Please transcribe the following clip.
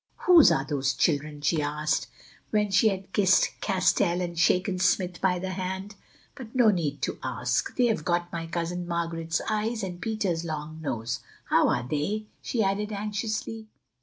"Whose are those children?" she asked, when she had kissed Castell and shaken Smith by the hand. "But no need to ask, they have got my cousin Margaret's eyes and Peter's long nose. How are they?" she added anxiously.